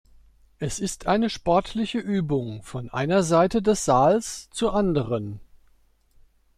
Es ist eine sportliche Übung von einer Seite des Saals zur anderen.